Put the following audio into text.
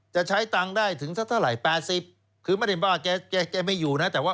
จะใช้ตังค์ได้ถึงสักเท่าไหร่๘๐คือไม่ได้บ้าแกไม่อยู่นะแต่ว่า